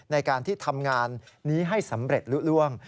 ในการที่ทำงานนี้ให้สำเร็จลุล่วง